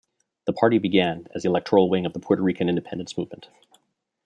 The party began as the electoral wing of the Puerto Rican independence movement.